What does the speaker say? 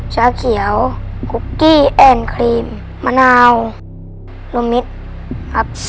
ชาเขียวคุกกี้แอนด์ครีมมะนาวลมมิตรครับ